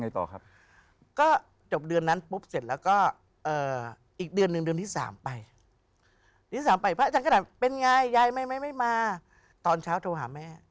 ตอนเช้าโทรหาแม่